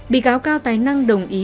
bị cáo cao tài năng đồng ý